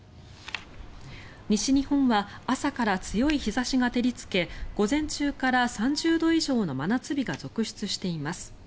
西日本は朝から強い日差しが照りつけ午前中から３０度以上の真夏日が続出しています。